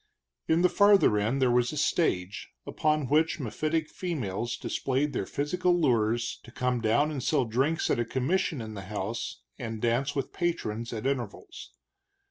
In the farther end there was a stage, upon which mephitic females displayed their physical lures, to come down and sell drinks at a commission in the house, and dance with the patrons, at intervals.